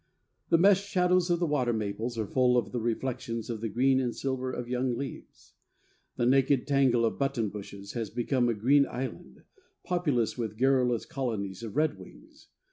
The meshed shadows of the water maples are full of the reflections of the green and silver of young leaves. The naked tangle of button bushes has become a green island, populous with garrulous colonies of redwings.